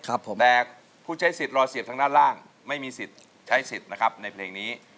ครับผมแต่ผู้ใช้สิทธิ์รอเสียบทางด้านล่างไม่มีสิทธิ์ใช้สิทธิ์นะครับในเพลงนี้